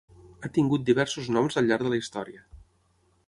Ha tingut diversos noms al llarg de la història.